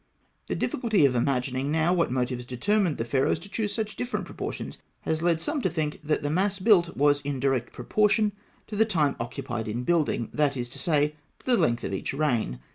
The difficulty of imagining now what motives determined the Pharaohs to choose such different proportions has led some to think that the mass built was in direct proportion to the time occupied in building; that is to say, to the length of each reign.